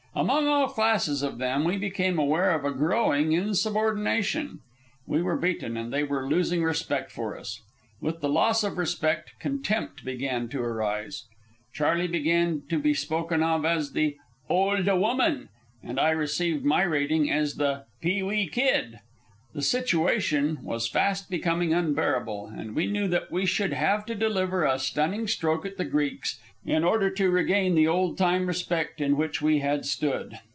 Among all classes of them we became aware of a growing insubordination. We were beaten, and they were losing respect for us. With the loss of respect, contempt began to arise. Charley began to be spoken of as the "olda woman," and I received my rating as the "pee wee kid." The situation was fast becoming unbearable, and we knew that we should have to deliver a stunning stroke at the Greeks in order to regain the old time respect in which we had stood.